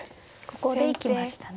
ここで行きましたね。